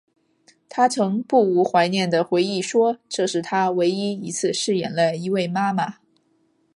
她曾不无怀念的回忆说这是她唯一一次饰演了一位妈妈。